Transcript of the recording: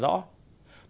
đã bỗng chốt bệnh viện